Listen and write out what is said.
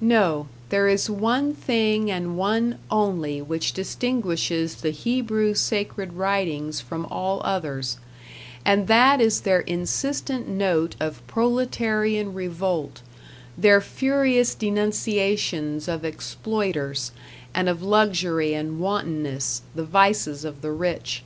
No, there is one thing and one only which distinguishes the Hebrew sacred writings from all others, and that is their insistent note of proletarian revolt, their furious denunciations of exploiters, and of luxury and wantonness, the vices of the rich.